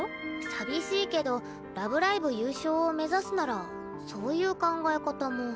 寂しいけど「ラブライブ！」優勝を目指すならそういう考え方も。